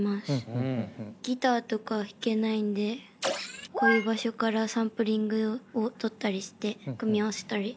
ギターとか弾けないんでこういう場所からサンプリングをとったりして組み合わせたり。